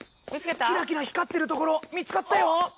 キラキラ光ってるところ見つかったよ！